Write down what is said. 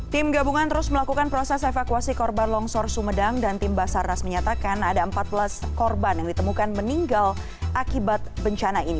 tim gabungan terus melakukan proses evakuasi korban longsor sumedang dan tim basarnas menyatakan ada empat belas korban yang ditemukan meninggal akibat bencana ini